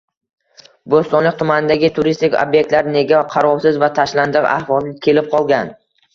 Bo‘stonliq tumanidagi turistik ob’ektlar nega qarovsiz va tashlandiq ahvolga kelib qolgan?